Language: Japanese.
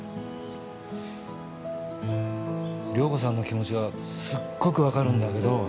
遼子さんの気持ちはすっごくわかるんだけど。